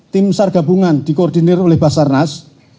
tim sargabungan dikoordinir oleh basarnas